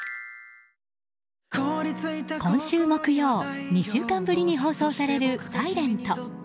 今週木曜、２週間ぶりに放送される「ｓｉｌｅｎｔ」。